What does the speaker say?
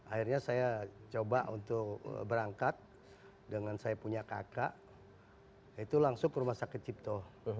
akhirnya saya coba untuk berangkat dengan saya punya kakak itu langsung ke rumah sakit cipto